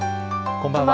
こんばんは。